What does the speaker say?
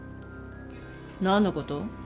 何のこと？